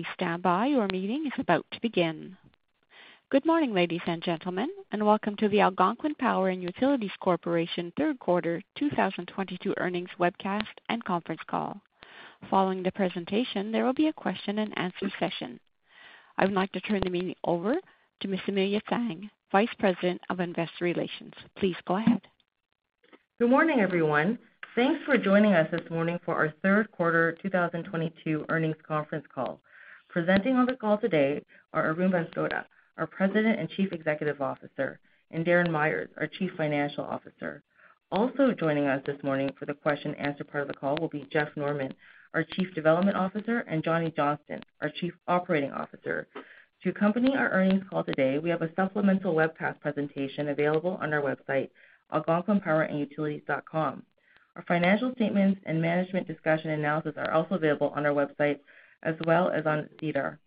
Please stand by. Your meeting is about to begin. Good morning, ladies and gentlemen, and welcome to the Algonquin Power & Utilities Corp. third quarter 2022 earnings webcast and conference call. Following the presentation, there will be a question-and-answer session. I would like to turn the meeting over to Amelia Tsang, Vice President of Investor Relations. Please go ahead. Good morning, everyone. Thanks for joining us this morning for our third quarter 2022 earnings conference call. Presenting on the call today are Arun Banskota, our President and Chief Executive Officer, and Darren Myers, our Chief Financial Officer. Also joining us this morning for the question and answer part of the call will be Jeff Norman, our Chief Development Officer, and Johnny Johnston, our Chief Operating Officer. To accompany our earnings call today, we have a supplemental webcast presentation available on our website, algonquinpower.com. Our financial statements and management's discussion and analysis are also available on our website as well as on SEDAR.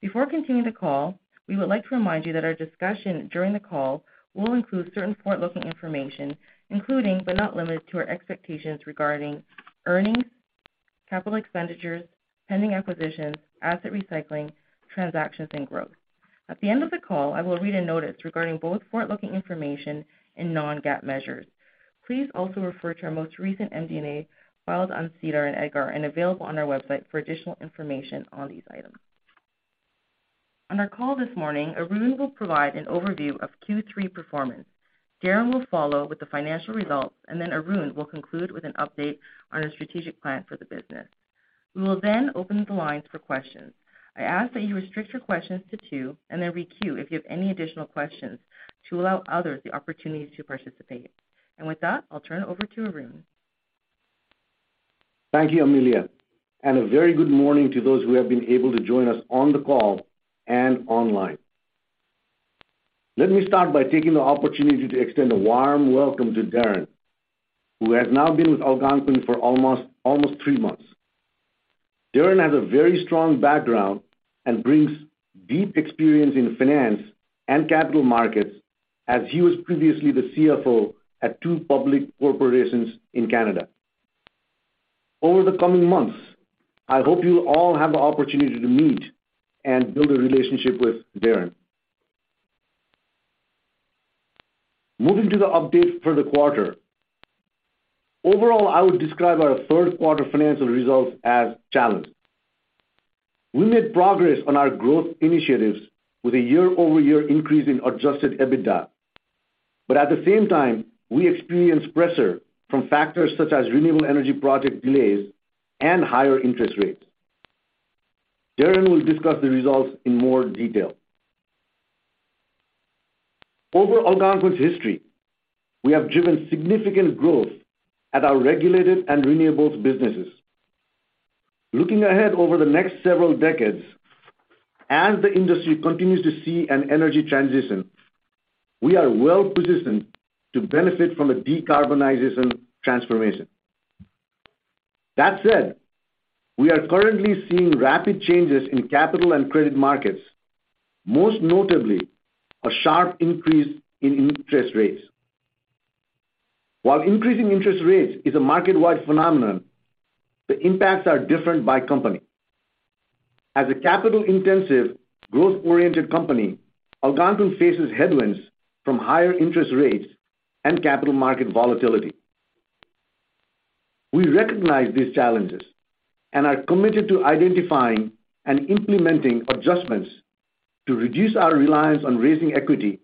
Before continuing the call, we would like to remind you that our discussion during the call will include certain forward-looking information, including but not limited to our expectations regarding earnings, capital expenditures, pending acquisitions, asset recycling, transactions and growth. At the end of the call, I will read a notice regarding both forward-looking information and Non-GAAP measures. Please also refer to our most recent MD&A filed on SEDAR and EDGAR and available on our website for additional information on these items. On our call this morning, Arun will provide an overview of Q3 performance. Darren will follow with the financial results, and then Arun will conclude with an update on our strategic plan for the business. We will then open the lines for questions. I ask that you restrict your questions to two and then re-queue if you have any additional questions to allow others the opportunity to participate. With that, I'll turn it over to Arun. Thank you, Amelia, and a very good morning to those who have been able to join us on the call and online. Let me start by taking the opportunity to extend a warm welcome to Darren, who has now been with Algonquin for almost three months. Darren has a very strong background and brings deep experience in finance and capital markets as he was previously the CFO at two public corporations in Canada. Over the coming months, I hope you'll all have the opportunity to meet and build a relationship with Darren. Moving to the update for the quarter. Overall, I would describe our third quarter financial results as challenged. We made progress on our growth initiatives with a year-over-year increase in Adjusted EBITDA. At the same time, we experienced pressure from factors such as renewable energy project delays and higher interest rates. Darren will discuss the results in more detail. Over Algonquin's history, we have driven significant growth at our regulated and renewables businesses. Looking ahead over the next several decades, as the industry continues to see an energy transition, we are well-positioned to benefit from a decarbonization transformation. That said, we are currently seeing rapid changes in capital and credit markets, most notably a sharp increase in interest rates. While increasing interest rates is a market-wide phenomenon, the impacts are different by company. As a capital-intensive, growth-oriented company, Algonquin faces headwinds from higher interest rates and capital market volatility. We recognize these challenges and are committed to identifying and implementing adjustments to reduce our reliance on raising equity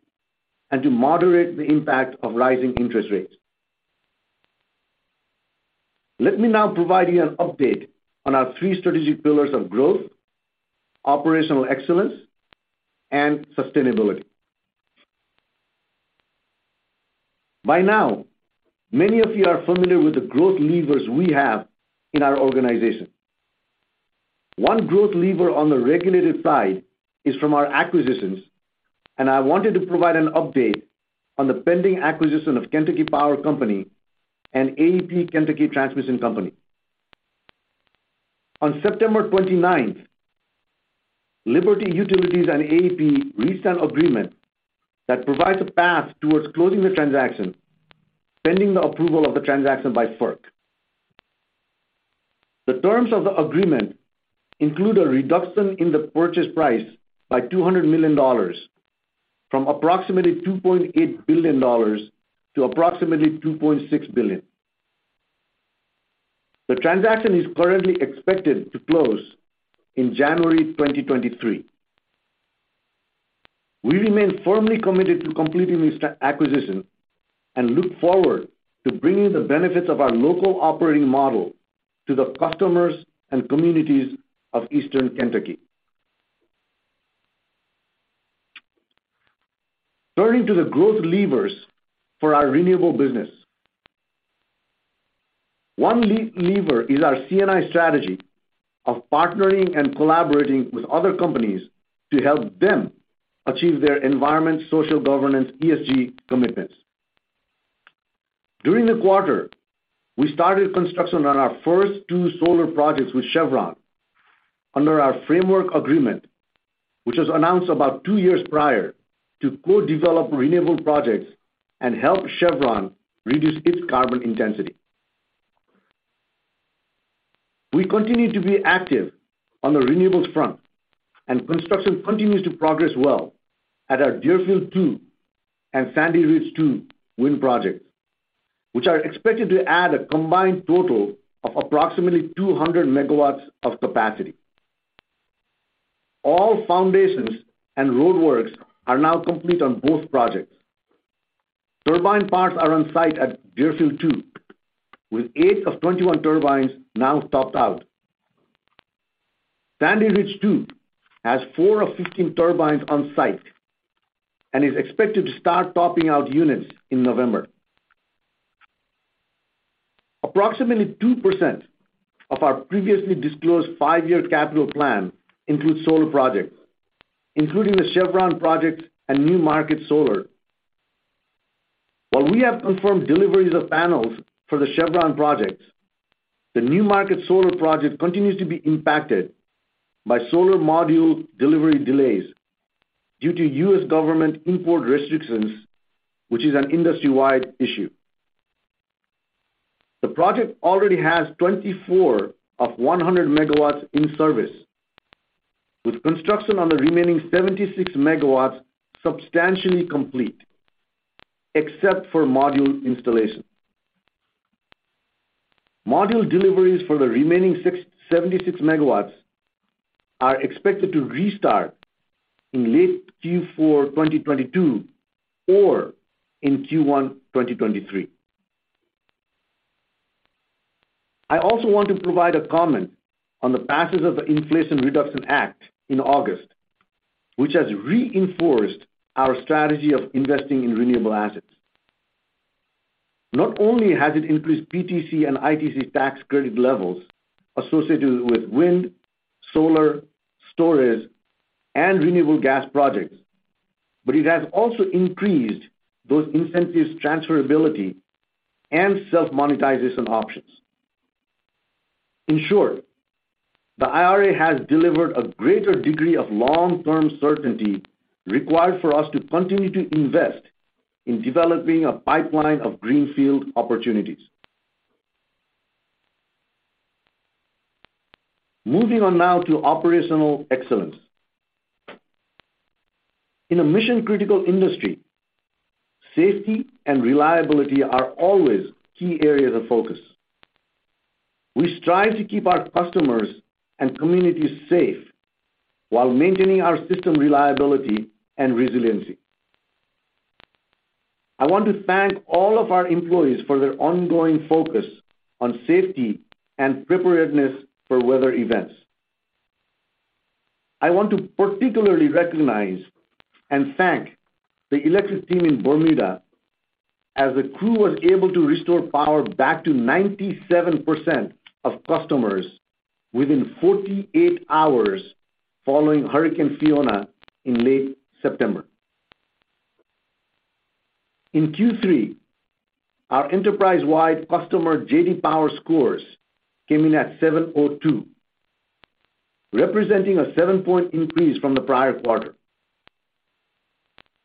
and to moderate the impact of rising interest rates. Let me now provide you an update on our three strategic pillars of growth, operational excellence, and sustainability. By now, many of you are familiar with the growth levers we have in our organization. One growth lever on the regulated side is from our acquisitions, and I wanted to provide an update on the pending acquisition of Kentucky Power Company and AEP Kentucky Transco. On September 29th, Liberty Utilities and AEP reached an agreement that provides a path towards closing the transaction, pending the approval of the transaction by FERC. The terms of the agreement include a reduction in the purchase price by $200 million, from approximately $2.8 billion to approximately $2.6 billion. The transaction is currently expected to close in January 2023. We remain firmly committed to completing this acquisition and look forward to bringing the benefits of our local operating model to the customers and communities of Eastern Kentucky. Turning to the growth levers for our renewable business. One lever is our C&I strategy of partnering and collaborating with other companies to help them achieve their environment, social, governance, ESG commitments. During the quarter, we started construction on our first two solar projects with Chevron under our framework agreement, which was announced about two years prior, to co-develop renewable projects and help Chevron reduce its carbon intensity. We continue to be active on the renewables front, and construction continues to progress well at our Deerfield two and Sandy Ridge two wind projects, which are expected to add a combined total of approximately 200 MW of capacity. All foundations and roadworks are now complete on both projects. Turbine parts are on site at Deerfield two, with eight of 21 turbines now topped out. Sandy Ridge two has four of 15 turbines on site and is expected to start topping out units in November. Approximately 2% of our previously disclosed five-year capital plan includes solar projects, including the Chevron project and New Market Solar. While we have confirmed deliveries of panels for the Chevron projects, the New Market Solar project continues to be impacted by solar module delivery delays due to U.S. government import restrictions, which is an industry-wide issue. The project already has 24 of 100 MW in service, with construction on the remaining 76 MW substantially complete, except for module installation. Module deliveries for the remaining 76 MW are expected to restart in late Q4 2022 or in Q1 2023. I also want to provide a comment on the passage of the Inflation Reduction Act in August, which has reinforced our strategy of investing in renewable assets. Not only has it increased PTC and ITC tax credit levels associated with wind, solar, storage, and renewable gas projects, but it has also increased those incentives' transferability and self-monetization options. In short, the IRA has delivered a greater degree of long-term certainty required for us to continue to invest in developing a pipeline of greenfield opportunities. Moving on now to operational excellence. In a mission-critical industry, safety and reliability are always key areas of focus. We strive to keep our customers and communities safe while maintaining our system reliability and resiliency. I want to thank all of our employees for their ongoing focus on safety and preparedness for weather events. I want to particularly recognize and thank the electric team in Bermuda, as the crew was able to restore power back to 97% of customers within 48 hours following Hurricane Fiona in late September. In Q3, our enterprise-wide customer J.D. Power scores came in at 702, representing a 7-point increase from the prior quarter.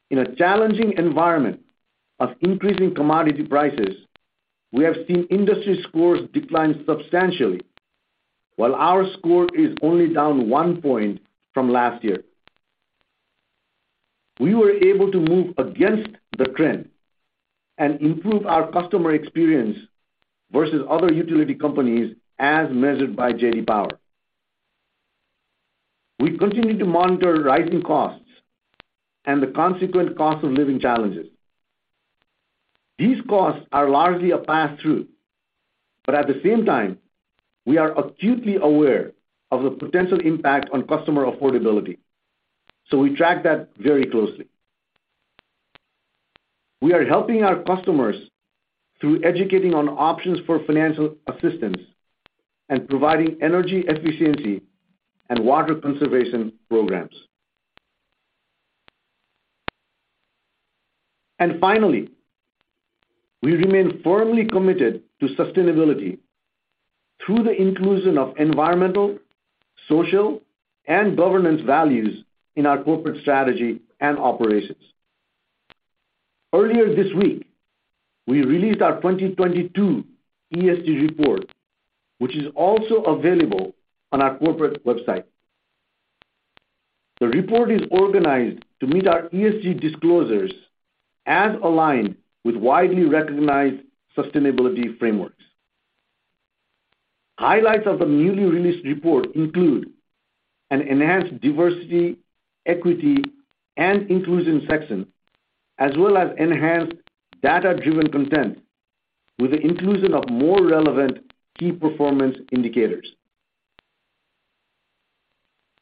In a challenging environment of increasing commodity prices, we have seen industry scores decline substantially, while our score is only down one point from last year. We were able to move against the trend and improve our customer experience versus other utility companies as measured by J.D. Power. We continue to monitor rising costs and the consequent cost of living challenges. These costs are largely a pass-through, but at the same time, we are acutely aware of the potential impact on customer affordability, so we track that very closely. We are helping our customers through educating on options for financial assistance and providing energy efficiency and water conservation programs. Finally, we remain firmly committed to sustainability through the inclusion of environmental, social, and governance values in our corporate strategy and operations. Earlier this week, we released our 2022 ESG report, which is also available on our corporate website. The report is organized to meet our ESG disclosures as aligned with widely recognized sustainability frameworks. Highlights of the newly released report include an enhanced diversity, equity, and inclusion section, as well as enhanced data-driven content with the inclusion of more relevant key performance indicators.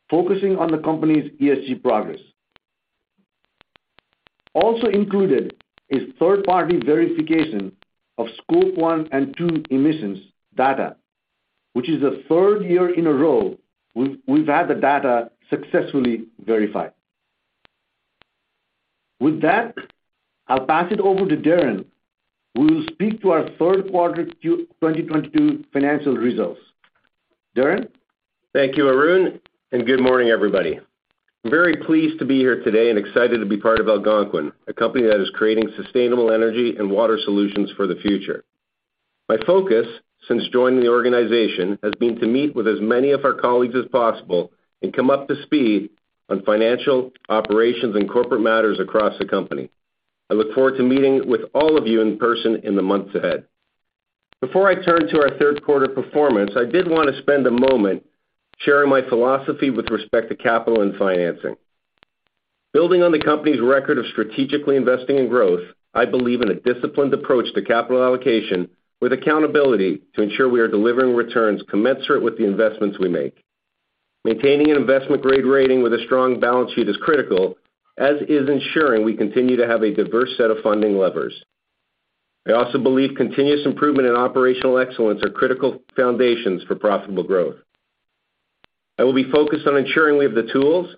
Focusing on the company's ESG progress. Also included is third-party verification of Scope one and two emissions data, which is the third year in a row we've had the data successfully verified. With that, I'll pass it over to Darren, who will speak to our third quarter 2022 financial results. Darren? Thank you, Arun, and good morning, everybody. I'm very pleased to be here today and excited to be part of Algonquin, a company that is creating sustainable energy and water solutions for the future. My focus since joining the organization has been to meet with as many of our colleagues as possible and come up to speed on financial, operations, and corporate matters across the company. I look forward to meeting with all of you in person in the months ahead. Before I turn to our third quarter performance, I did want to spend a moment sharing my philosophy with respect to capital and financing. Building on the company's record of strategically investing in growth, I believe in a disciplined approach to capital allocation with accountability to ensure we are delivering returns commensurate with the investments we make. Maintaining an investment-grade rating with a strong balance sheet is critical, as is ensuring we continue to have a diverse set of funding levers. I also believe continuous improvement and operational excellence are critical foundations for profitable growth. I will be focused on ensuring we have the tools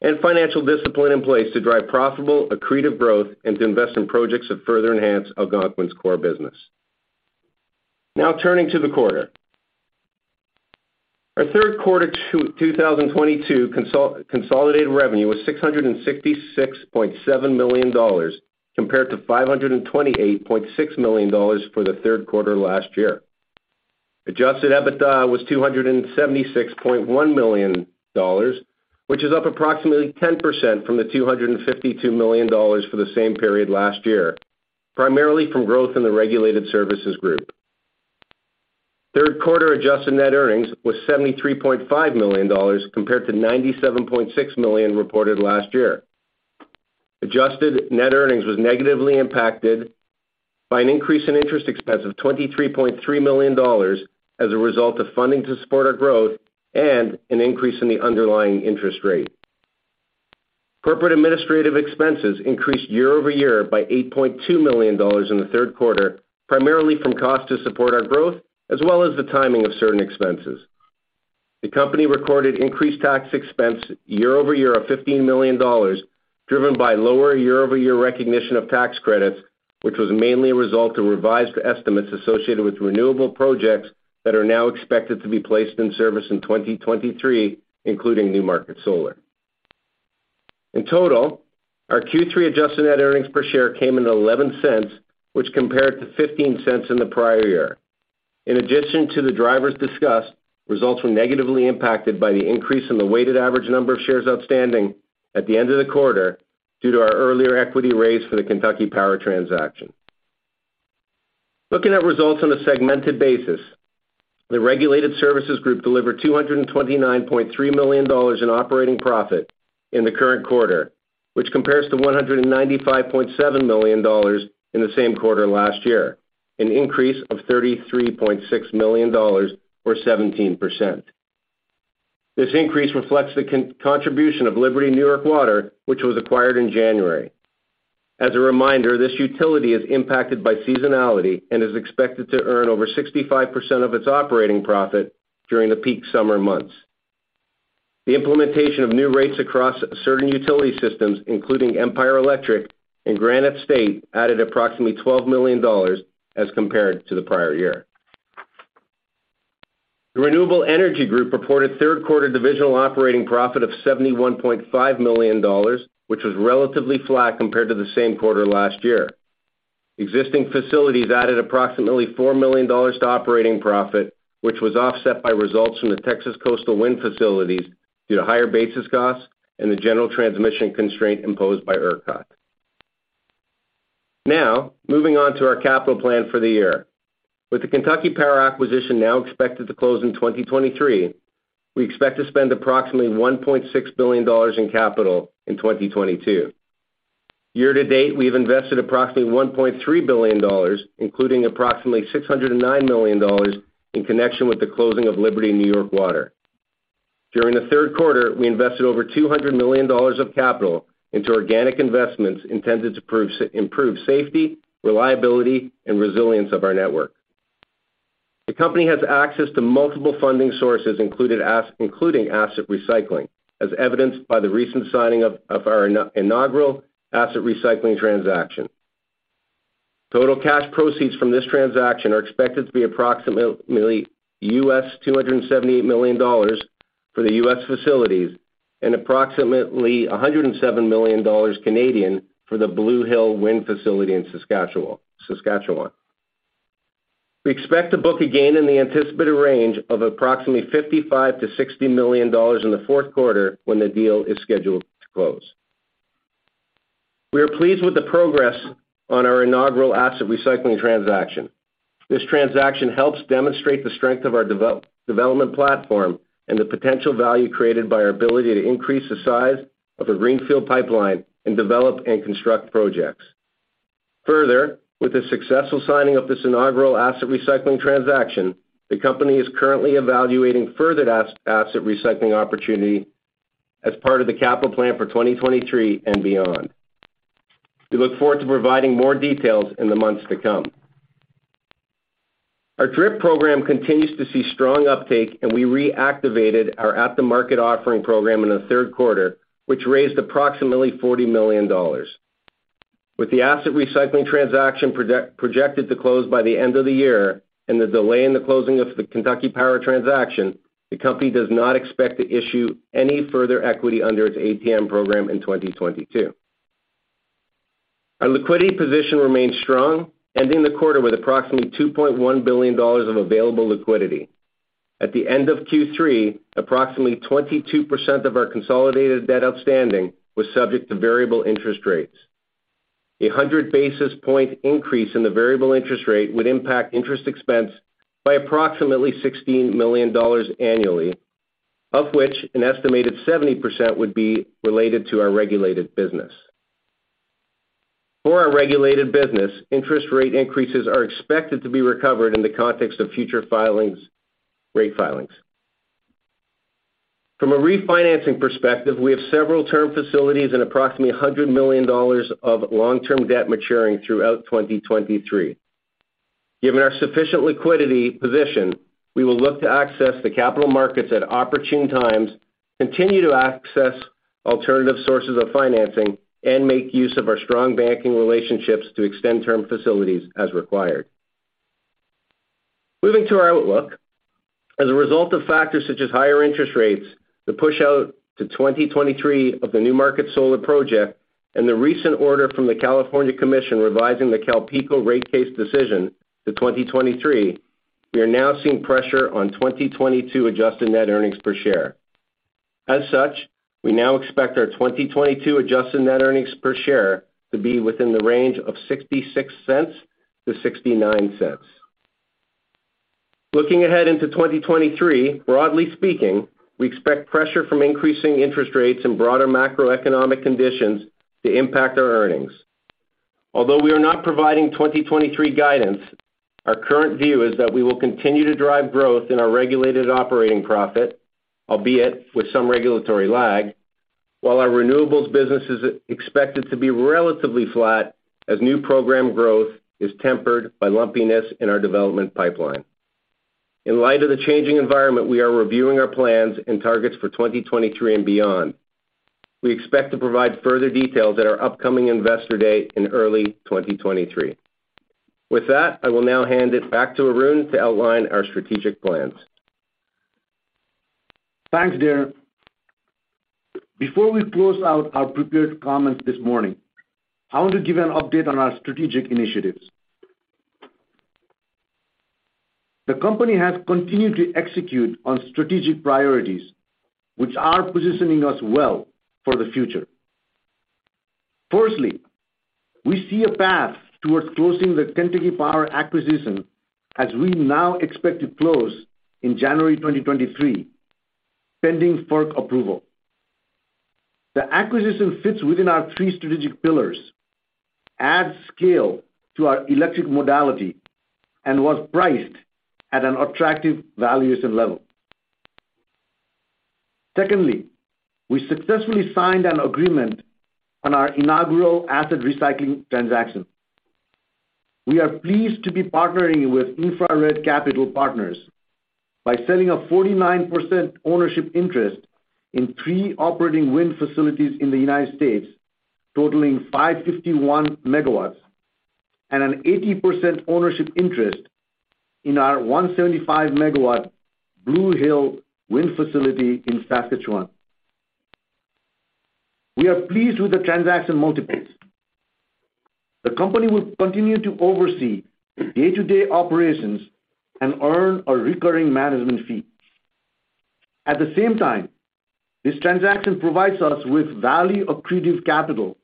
and financial discipline in place to drive profitable, accretive growth, and to invest in projects that further enhance Algonquin's core business. Now turning to the quarter. Our third quarter 2022 consolidated revenue was $666.7 million compared to $528.6 million for the third quarter last year. Adjusted EBITDA was $276.1 million, which is up approximately 10% from the $252 million for the same period last year, primarily from growth in the Regulated Services Group. Third quarter Adjusted Net Earnings was $73.5 million compared to $97.6 million reported last year. Adjusted Net Earnings was negatively impacted by an increase in interest expense of $23.3 million as a result of funding to support our growth and an increase in the underlying interest rate. Corporate administrative expenses increased year-over-year by $8.2 million in the third quarter, primarily from costs to support our growth, as well as the timing of certain expenses. The company recorded increased tax expense year-over-year of $15 million, driven by lower year-over-year recognition of tax credits, which was mainly a result of revised estimates associated with renewable projects that are now expected to be placed in service in 2023, including New Market Solar. In total, our Q3 adjusted net earnings per share came in at $0.11, which compared to $0.15 in the prior year. In addition to the drivers discussed, results were negatively impacted by the increase in the weighted average number of shares outstanding at the end of the quarter due to our earlier equity raise for the Kentucky Power transaction. Looking at results on a segmented basis, the Regulated Services Group delivered $229.3 million in operating profit in the current quarter, which compares to $195.7 million in the same quarter last year, an increase of $33.6 million or 17%. This increase reflects the contribution of Liberty New York Water, which was acquired in January. As a reminder, this utility is impacted by seasonality and is expected to earn over 65% of its operating profit during the peak summer months. The implementation of new rates across certain utility systems, including Empire Electric and Granite State, added approximately $12 million as compared to the prior year. The Renewable Energy Group reported third quarter divisional operating profit of $71.5 million, which was relatively flat compared to the same quarter last year. Existing facilities added approximately $4 million to operating profit, which was offset by results from the Texas Coastal Wind Facilities due to higher basis costs and the general transmission constraint imposed by ERCOT. Now, moving on to our capital plan for the year. With the Kentucky Power acquisition now expected to close in 2023, we expect to spend approximately $1.6 billion in capital in 2022. Year to date, we have invested approximately $1.3 billion, including approximately $609 million in connection with the closing of Liberty New York Water. During the third quarter, we invested over $200 million of capital into organic investments intended to improve safety, reliability, resilience of our network. The company has access to multiple funding sources including asset recycling, as evidenced by the recent signing of our inaugural asset recycling transaction. Total cash proceeds from this transaction are expected to be approximately $278 million for the U.S. facilities and approximately 107 million Canadian dollars for the Blue Hill Wind Facility in Saskatchewan. We expect to book a gain in the anticipated range of approximately $55 million-$60 million in the fourth quarter when the deal is scheduled to close. We are pleased with the progress on our inaugural asset recycling transaction. This transaction helps demonstrate the strength of our development platform and the potential value created by our ability to increase the size of a greenfield pipeline and develop and construct projects. Further, with the successful signing of this inaugural asset recycling transaction, the company is currently evaluating further asset recycling opportunity as part of the capital plan for 2023 and beyond. We look forward to providing more details in the months to come. Our DRIP program continues to see strong uptake, and we reactivated our at-the-market offering program in the third quarter, which raised approximately $40 million. With the asset recycling transaction projected to close by the end of the year and the delay in the closing of the Kentucky Power transaction, the company does not expect to issue any further equity under its ATM program in 2022. Our liquidity position remains strong, ending the quarter with approximately $2.1 billion of available liquidity. At the end of Q3, approximately 22% of our consolidated debt outstanding was subject to variable interest rates. A 100 basis point increase in the variable interest rate would impact interest expense by approximately $16 million annually, of which an estimated 70% would be related to our regulated business. For our regulated business, interest rate increases are expected to be recovered in the context of future filings, rate filings. From a refinancing perspective, we have several term facilities and approximately $100 million of long-term debt maturing throughout 2023. Given our sufficient liquidity position, we will look to access the capital markets at opportune times, continue to access alternative sources of financing, and make use of our strong banking relationships to extend term facilities as required. Moving to our outlook. As a result of factors such as higher interest rates, the push-out to 2023 of the New Market solar project, and the recent order from the California Commission revising the CalPeco rate case decision to 2023, we are now seeing pressure on 2022 adjusted net earnings per share. As such, we now expect our 2022 adjusted net earnings per share to be within the range of $0.66-$0.69. Looking ahead into 2023, broadly speaking, we expect pressure from increasing interest rates and broader macroeconomic conditions to impact our earnings. Although we are not providing 2023 guidance, our current view is that we will continue to drive growth in our regulated operating profit, albeit with some regulatory lag, while our renewables business is expected to be relatively flat as new program growth is tempered by lumpiness in our development pipeline. In light of the changing environment, we are reviewing our plans and targets for 2023 and beyond. We expect to provide further details at our upcoming Investor Day in early 2023. With that, I will now hand it back to Arun to outline our strategic plans. Thanks, Darren. Before we close out our prepared comments this morning, I want to give an update on our strategic initiatives. The company has continued to execute on strategic priorities which are positioning us well for the future. Firstly, we see a path towards closing the Kentucky Power Company acquisition as we now expect to close in January 2023, pending FERC approval. The acquisition fits within our three strategic pillars, adds scale to our electric modality, and was priced at an attractive valuation level. Secondly, we successfully signed an agreement on our inaugural asset recycling transaction. We are pleased to be partnering with InfraRed Capital Partners by selling a 49% ownership interest in three operating wind facilities in the United States, totaling 551 megawatts and an 80% ownership interest in our 175-megawatt Blue Hill Wind Facility in Saskatchewan. We are pleased with the transaction multiples. The company will continue to oversee day-to-day operations and earn a recurring management fee. At the same time, this transaction provides us with value accretive capital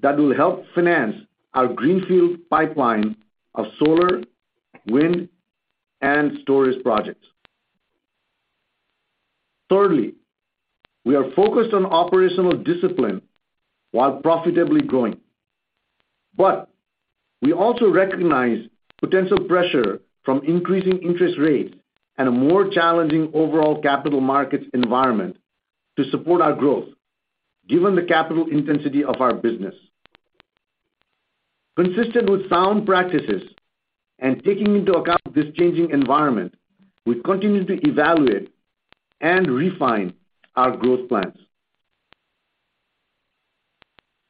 that will help finance our greenfield pipeline of solar, wind, and storage projects. Thirdly, we are focused on operational discipline while profitably growing. We also recognize potential pressure from increasing interest rates and a more challenging overall capital markets environment to support our growth, given the capital intensity of our business. Consistent with sound practices and taking into account this changing environment, we've continued to evaluate and refine our growth plans.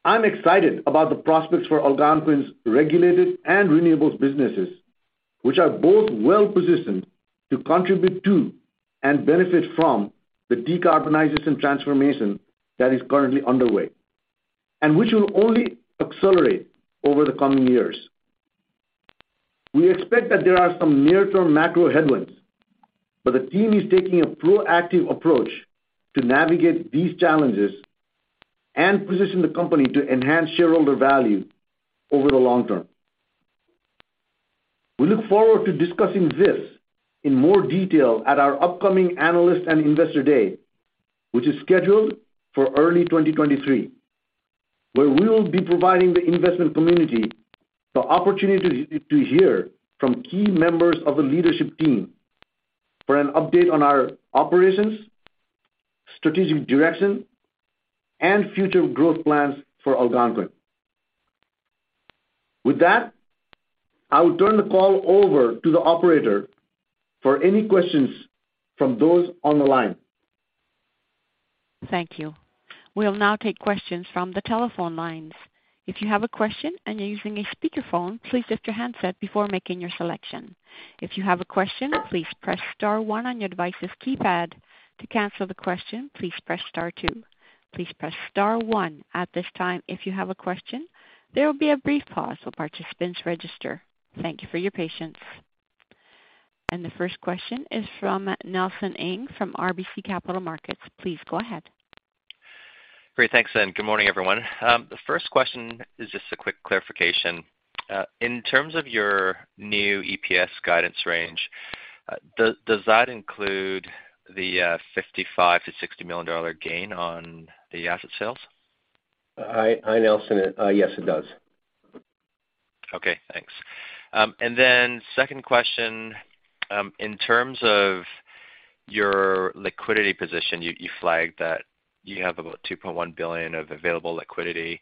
I'm excited about the prospects for Algonquin's regulated and renewables businesses, which are both well-positioned to contribute to and benefit from the decarbonization transformation that is currently underway, and which will only accelerate over the coming years. We expect that there are some near-term macro headwinds, but the team is taking a proactive approach to navigate these challenges and position the company to enhance shareholder value over the long term. We look forward to discussing this in more detail at our upcoming Analyst and Investor Day, which is scheduled for early 2023, where we will be providing the investment community the opportunity to hear from key members of the leadership team for an update on our operations, strategic direction, and future growth plans for Algonquin. With that, I will turn the call over to the operator for any questions from those on the line. Thank you. We'll now take questions from the telephone lines. If you have a question and you're using a speakerphone, please lift your handset before making your selection. If you have a question, please press star one on your device's keypad. To cancel the question, please press star two. Please press star one at this time if you have a question. There will be a brief pause while participants register. Thank you for your patience. The first question is from Nelson Ng from RBC Capital Markets. Please go ahead. Great. Thanks. Good morning, everyone. The first question is just a quick clarification. In terms of your new EPS guidance range, does that include the $55 million-$60 million gain on the asset sales? Hi, Nelson. Yes, it does. Okay. Thanks. Second question, in terms of your liquidity position, you flagged that you have about $2.1 billion of available liquidity.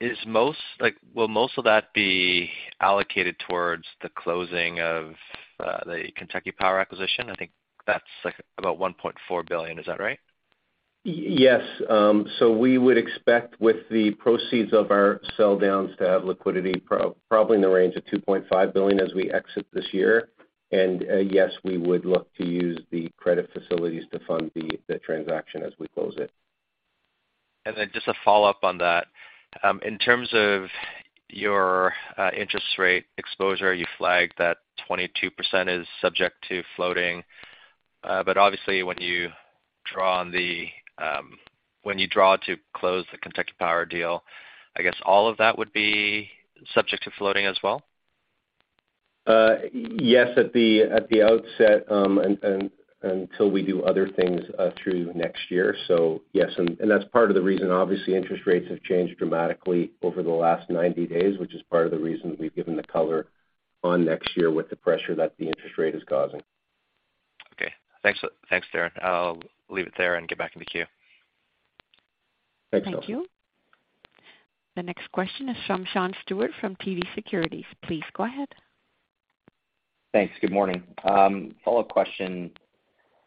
Will most of that be allocated towards the closing of the Kentucky Power acquisition? I think that's, like, about $1.4 billion. Is that right? Yes. We would expect with the proceeds of our sell downs to have liquidity probably in the range of $2.5 billion as we exit this year. Yes, we would look to use the credit facilities to fund the transaction as we close it. Just a follow-up on that. In terms of your interest rate exposure, you flagged that 22% is subject to floating. But obviously when you draw to close the Kentucky Power deal, I guess all of that would be subject to floating as well. Yes, at the outset, until we do other things through next year. Yes, and that's part of the reason, obviously, interest rates have changed dramatically over the last 90 days, which is part of the reason we've given the color on next year with the pressure that the interest rate is causing. Okay. Thanks. Thanks, Darren. I'll leave it there and get back in the queue. Thanks, Nelson. Thank you. The next question is from Sean Steuart from TD Securities. Please go ahead. Thanks. Good morning. Follow-up question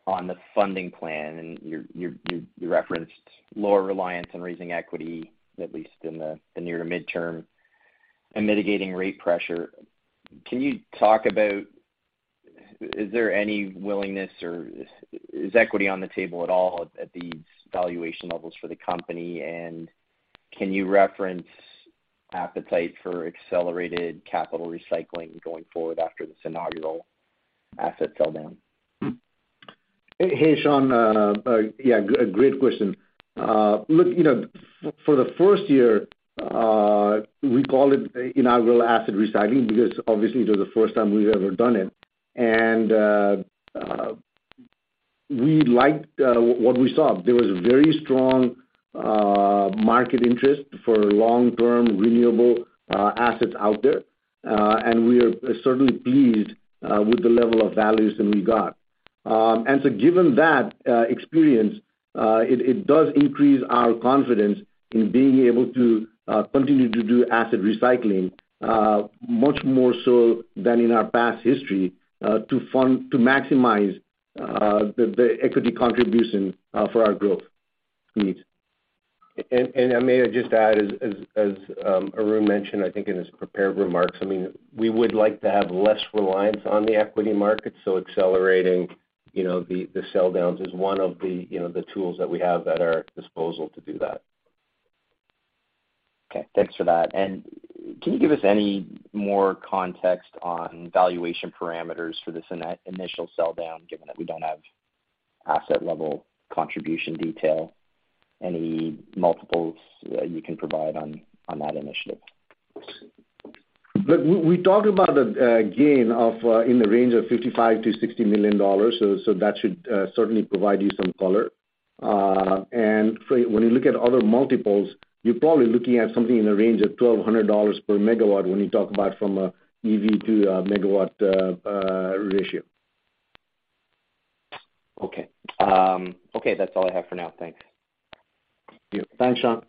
on the funding plan, and you referenced lower reliance on raising equity, at least in the near to midterm, and mitigating rate pressure. Can you talk about is there any willingness or is equity on the table at all at these valuation levels for the company? And can you reference appetite for accelerated capital recycling going forward after this inaugural asset sell down? Hey, Sean. Yeah, great question. Look, you know, for the first year, we call it inaugural asset recycling because obviously it was the first time we've ever done it. We liked what we saw. There was very strong market interest for long-term renewable assets out there. We are certainly pleased with the level of values that we got. Given that experience, it does increase our confidence in being able to continue to do asset recycling much more so than in our past history to maximize the equity contribution for our growth needs. May I just add as Arun mentioned, I think in his prepared remarks, I mean, we would like to have less reliance on the equity market, so accelerating, you know, the sell downs is one of the, you know, the tools that we have at our disposal to do that. Okay. Thanks for that. Can you give us any more context on valuation parameters for this initial sell down, given that we don't have asset-level contribution detail? Any multiples, you can provide on that initiative? Look, we talked about a gain in the range of $55 million-$60 million. That should certainly provide you some color. When you look at other multiples, you're probably looking at something in the range of $1,200 per megawatt when you talk about from a EV to a megawatt ratio. Okay. Okay, that's all I have for now. Thanks. Yeah. Thanks, Sean.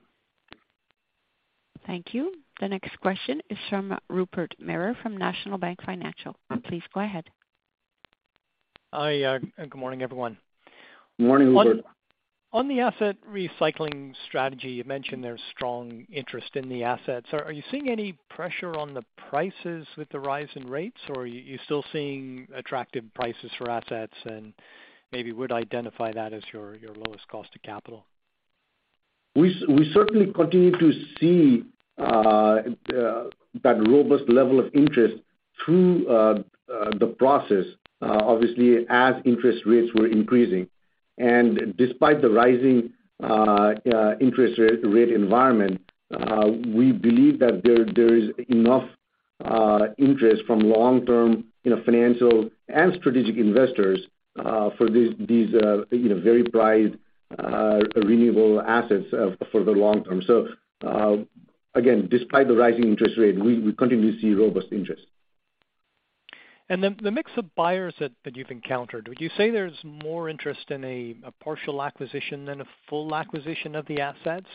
Thank you. The next question is from Rupert Merer from National Bank Financial. Please go ahead. Hi. Good morning, everyone. Morning, Rupert. On the asset recycling strategy, you mentioned there's strong interest in the assets. Are you seeing any pressure on the prices with the rise in rates, or are you still seeing attractive prices for assets and maybe would identify that as your lowest cost of capital? We certainly continue to see that robust level of interest through the process, obviously, as interest rates were increasing. Despite the rising interest rate environment, we believe that there is enough interest from long-term, you know, financial and strategic investors for these, you know, very bright renewable assets for the long term. Again, despite the rising interest rate, we continue to see robust interest. The mix of buyers that you've encountered, would you say there's more interest in a partial acquisition than a full acquisition of the assets?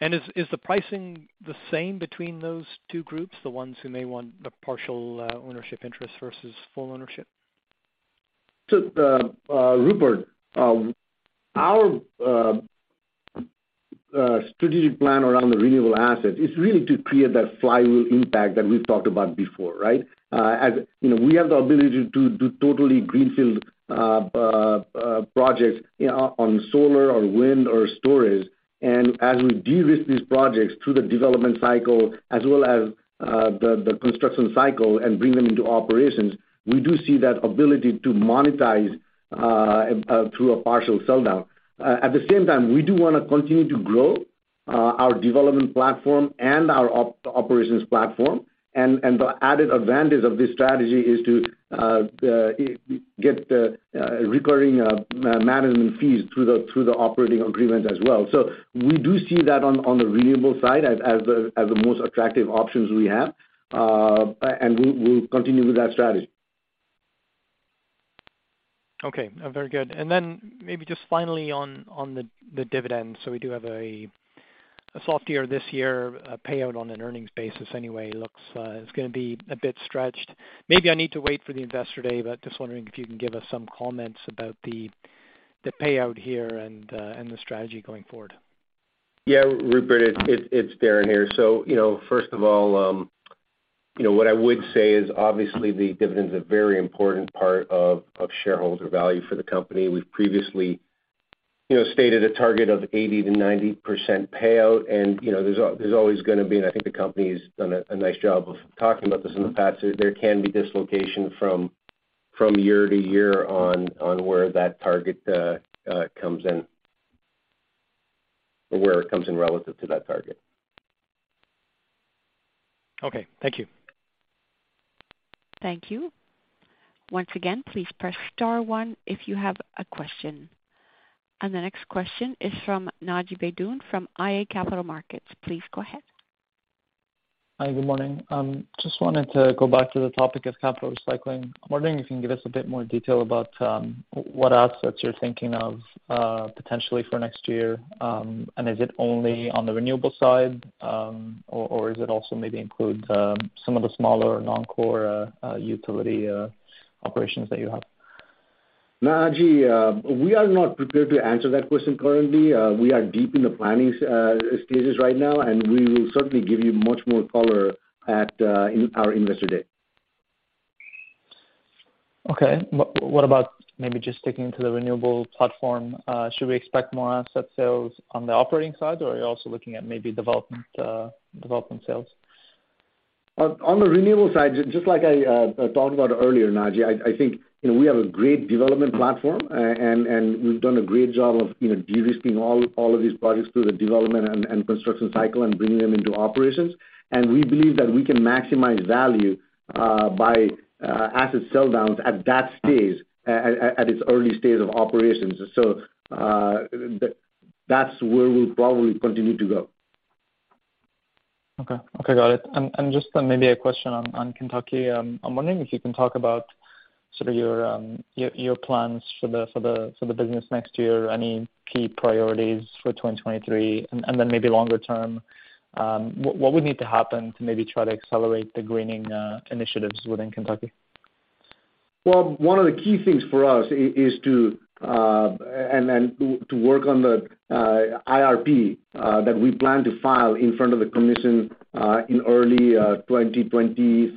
Is the pricing the same between those two groups, the ones who may want the partial ownership interest versus full ownership? Rupert, our strategic plan around the renewable assets is really to create that flywheel impact that we've talked about before, right? As you know, we have the ability to totally greenfield projects on solar or wind or storage. As we de-risk these projects through the development cycle as well as the construction cycle and bring them into operations, we do see that ability to monetize through a partial sell down. At the same time, we do wanna continue to grow our development platform and our operations platform. The added advantage of this strategy is to get the recurring management fees through the operating agreement as well. We do see that on the renewable side as the most attractive options we have, and we'll continue with that strategy. Okay. Very good. Maybe just finally on the dividends. We do have a soft year this year, a payout on an earnings basis anyway, looks it's gonna be a bit stretched. Maybe I need to wait for the Investor Day, but just wondering if you can give us some comments about the payout here and the strategy going forward. Yeah, Rupert, it's Darren here. You know, first of all, you know, what I would say is obviously the dividend is a very important part of shareholder value for the company. We've previously, you know, stated a target of 80%-90% payout. You know, there's always gonna be, and I think the company has done a nice job of talking about this in the past. There can be dislocation from year to year on where that target comes in, or where it comes in relative to that target. Okay, thank you. Thank you. Once again, please press star one if you have a question. The next question is from Naji Beydoun from iA Capital Markets. Please go ahead. Hi, good morning. Just wanted to go back to the topic of capital recycling. I'm wondering if you can give us a bit more detail about what assets you're thinking of potentially for next year. Is it only on the renewable side, or is it also maybe includes some of the smaller non-core utility operations that you have? Naji, we are not prepared to answer that question currently. We are deep in the planning stages right now, and we will certainly give you much more color at our investor day. Okay. What about maybe just sticking to the renewable platform? Should we expect more asset sales on the operating side, or are you also looking at maybe development sales? On the renewable side, just like I talked about earlier, Naji, I think, you know, we have a great development platform. We've done a great job of de-risking all of these projects through the development and construction cycle and bringing them into operations. We believe that we can maximize value by asset sell downs at that stage, at its early stage of operations. That's where we'll probably continue to go. Okay. Got it. Just maybe a question on Kentucky. I'm wondering if you can talk about sort of your plans for the business next year, any key priorities for 2023. Then maybe longer term, what would need to happen to maybe try to accelerate the greening initiatives within Kentucky? Well, one of the key things for us is to and then to work on the IRP that we plan to file in front of the commission in early 2023.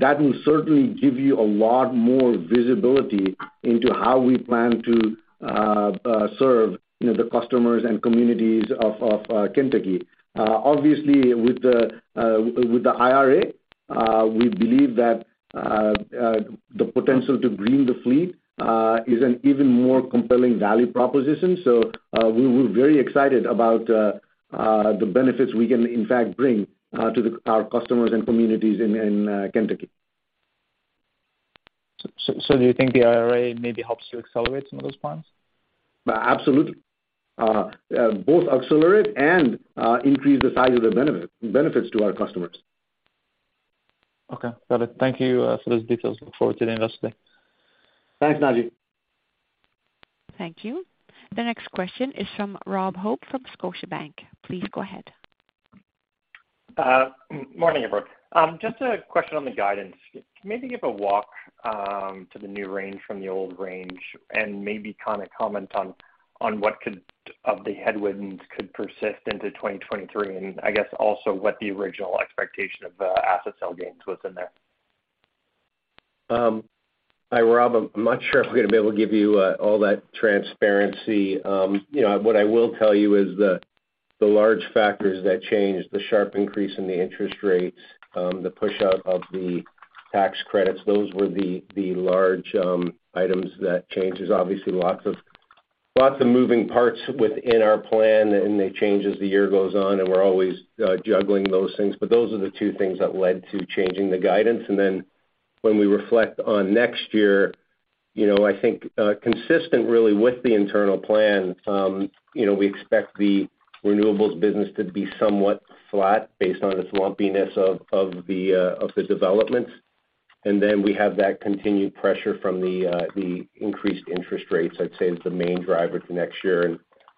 That will certainly give you a lot more visibility into how we plan to serve, you know, the customers and communities of Kentucky. Obviously, with the IRA, we believe that the potential to green the fleet is an even more compelling value proposition. We're very excited about the benefits we can in fact bring to our customers and communities in Kentucky. Do you think the IRA maybe helps to accelerate some of those plans? Absolutely. Both accelerate and increase the size of the benefits to our customers. Okay. Got it. Thank you for those details. Look forward to the investor day. Thanks, Naji. Thank you. The next question is from Robert Hope from Scotiabank. Please go ahead. Morning, everyone. Just a question on the guidance. Can you maybe give a walk to the new range from the old range and maybe kind of comment on what some of the headwinds could persist into 2023, and I guess also what the original expectation of asset sale gains was in there? Hi, Rob. I'm not sure if we're gonna be able to give you all that transparency. You know, what I will tell you is the large factors that changed, the sharp increase in the interest rates, the push out of the tax credits, those were the large items that changed. There's obviously lots of moving parts within our plan, and they change as the year goes on, and we're always juggling those things. Those are the two things that led to changing the guidance. When we reflect on next year, you know, I think, consistent really with the internal plan, you know, we expect the renewables business to be somewhat flat based on its lumpiness of the developments. We have that continued pressure from the increased interest rates, I'd say is the main driver for next year.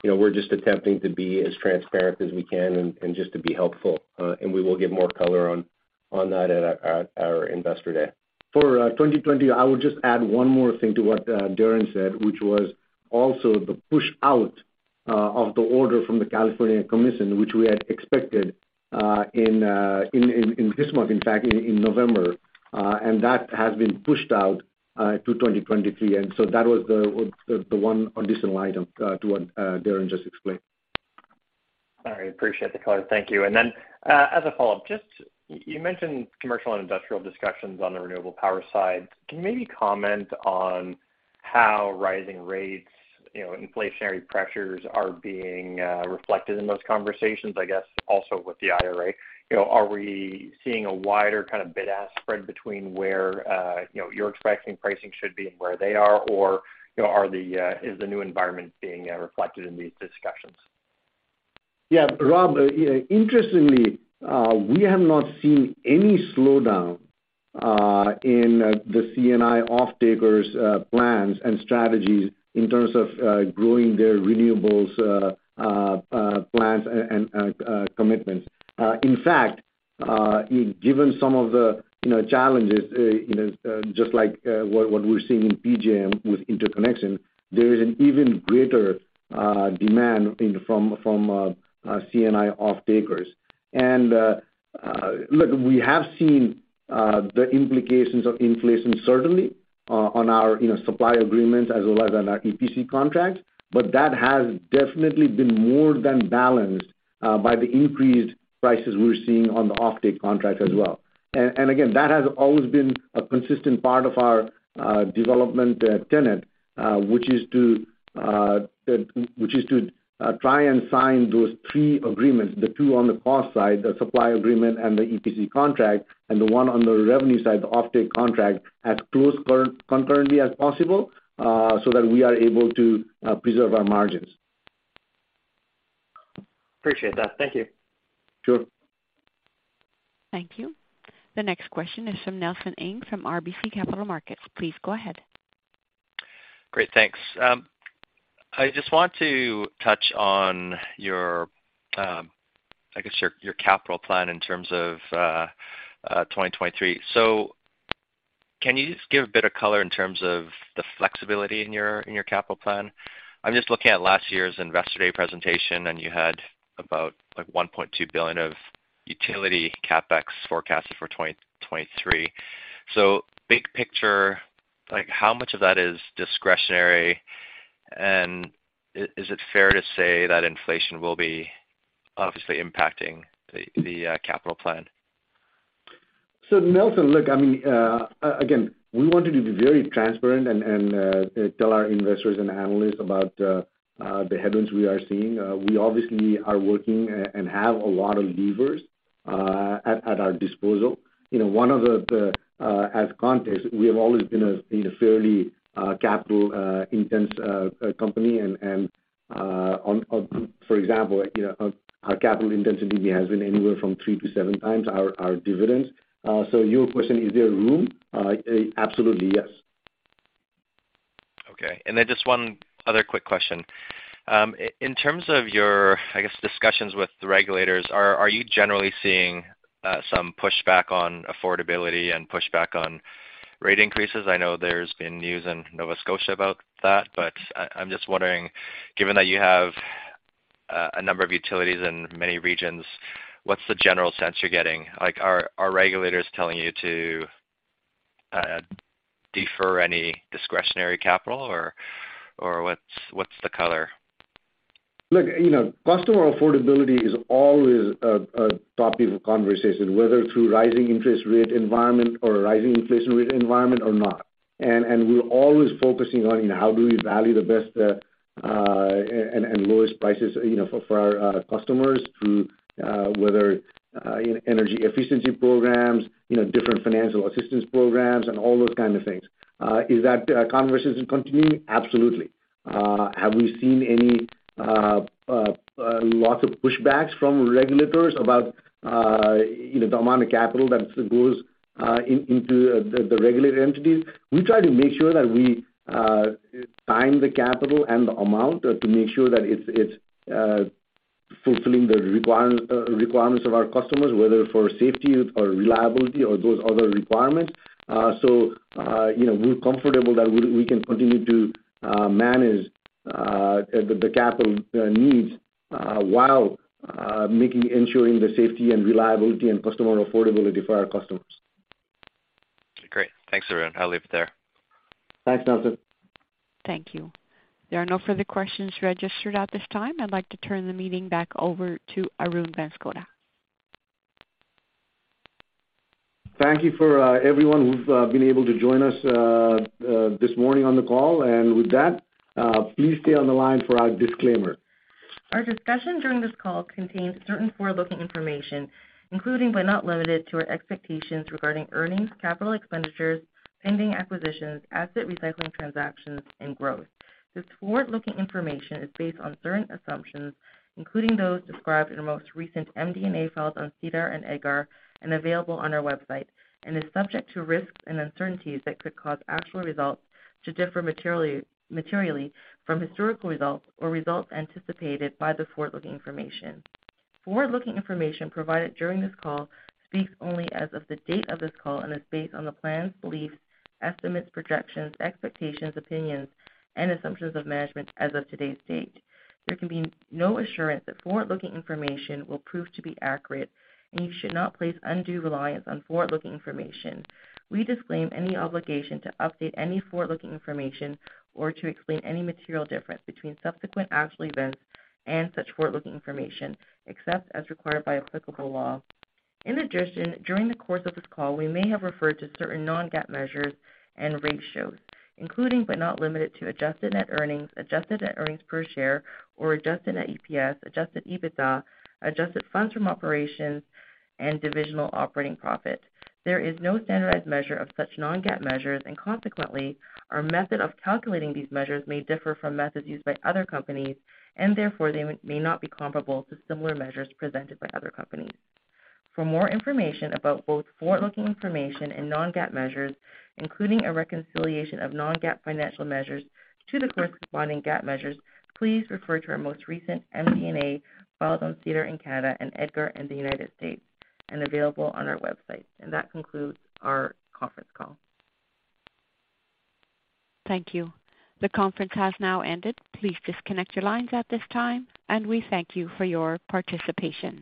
You know, we're just attempting to be as transparent as we can and just to be helpful. We will give more color on that at our Investor Day. For 2020, I would just add one more thing to what Darren said, which was also the pushout of the order from the California Commission, which we had expected in this month, in fact, in November. That has been pushed out to 2023. That was the one additional item to what Darren just explained. All right. Appreciate the color. Thank you. As a follow-up, just you mentioned commercial and industrial discussions on the renewable power side. Can you maybe comment on how rising rates, you know, inflationary pressures are being reflected in those conversations, I guess, also with the IRA? You know, are we seeing a wider kind of bid-ask spread between where, you know, you're expecting pricing should be and where they are? Or, you know, are the, is the new environment being reflected in these discussions? Yeah. Rob, you know, interestingly, we have not seen any slowdown in the C&I offtakers' plans and strategies in terms of growing their renewables plans and commitments. In fact, given some of the, you know, challenges, you know, just like what we're seeing in PJM with interconnection, there is an even greater demand from C&I offtakers. Look, we have seen the implications of inflation certainly on our, you know, supply agreements as well as on our EPC contracts, but that has definitely been more than balanced by the increased prices we're seeing on the offtake contracts as well. Again, that has always been a consistent part of our development tenet, which is to try and sign those three agreements, the two on the cost side, the supply agreement and the EPC contract, and the one on the revenue side, the offtake contract, as close concurrently as possible, so that we are able to preserve our margins. Appreciate that. Thank you. Sure. Thank you. The next question is from Nelson Ng from RBC Capital Markets. Please go ahead. Great. Thanks. I just want to touch on your I guess your capital plan in terms of 2023. Can you just give a bit of color in terms of the flexibility in your capital plan? I'm just looking at last year's Investor Day presentation, and you had about, like, $1.2 billion of utility CapEx forecasted for 2023. Big picture, like, how much of that is discretionary? Is it fair to say that inflation will be obviously impacting the capital plan? Nelson, look, I mean, we wanted to be very transparent and tell our investors and analysts about the headwinds we are seeing. We obviously are working and have a lot of levers at our disposal. You know, as context, we have always been a fairly capital intensive company. For example, you know, our capital intensity has been anywhere from three to seven times our dividends. Your question, is there room? Absolutely, yes. Okay. Just one other quick question. In terms of your, I guess, discussions with the regulators, are you generally seeing some pushback on affordability and pushback on rate increases? I know there's been news in Nova Scotia about that, but I'm just wondering, given that you have a number of utilities in many regions, what's the general sense you're getting? Like, are regulators telling you to defer any discretionary capital or what's the color? Look, you know, customer affordability is always a topic of conversation, whether through rising interest rate environment or rising inflation rate environment or not. We're always focusing on, you know, how do we value the best and lowest prices, you know, for our customers through whether in energy efficiency programs, you know, different financial assistance programs and all those kind of things. Is that conversation continuing? Absolutely. Have we seen any lots of pushbacks from regulators about, you know, the amount of capital that goes into the regulated entities? We try to make sure that we time the capital and the amount to make sure that it's fulfilling the requirements of our customers, whether for safety or reliability or those other requirements. You know, we're comfortable that we can continue to manage the capital needs while ensuring the safety and reliability and customer affordability for our customers. Great. Thanks, Arun. I'll leave it there. Thanks, Nelson. Thank you. There are no further questions registered at this time. I'd like to turn the meeting back over to Arun Banskota. Thank you for everyone who's been able to join us this morning on the call. With that, please stay on the line for our disclaimer. Our discussion during this call contains certain forward-looking information, including but not limited to our expectations regarding earnings, capital expenditures, pending acquisitions, asset recycling transactions, and growth. This forward-looking information is based on certain assumptions, including those described in our most recent MD&A files on SEDAR and EDGAR and available on our website, and is subject to risks and uncertainties that could cause actual results to differ materially from historical results or results anticipated by the forward-looking information. Forward-looking information provided during this call speaks only as of the date of this call and is based on the plans, beliefs, estimates, projections, expectations, opinions, and assumptions of management as of today's date. There can be no assurance that forward-looking information will prove to be accurate, and you should not place undue reliance on forward-looking information. We disclaim any obligation to update any forward-looking information or to explain any material difference between subsequent actual events and such forward-looking information, except as required by applicable law. In addition, during the course of this call, we may have referred to certain Non-GAAP measures and ratios, including but not limited to Adjusted Net Earnings, Adjusted Net Earnings per share or Adjusted Net EPS, Adjusted EBITDA, Adjusted Funds from Operations, and Divisional Operating Profit. There is no standardized measure of such Non-GAAP measures, and consequently, our method of calculating these measures may differ from methods used by other companies, and therefore they may not be comparable to similar measures presented by other companies. For more information about both forward-looking information and Non-GAAP measures, including a reconciliation of Non-GAAP financial measures to the corresponding GAAP measures, please refer to our most recent MD&A filed on SEDAR in Canada and EDGAR in the United States and available on our website. That concludes our conference call. Thank you. The conference has now ended. Please disconnect your lines at this time, and we thank you for your participation.